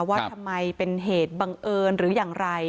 ว่าทำไมเป็นเหตุบังเอิญหรืออย่างไร